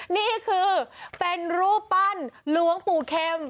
นี่คือเป็นรูปปั้นหลวงปู่เข็ม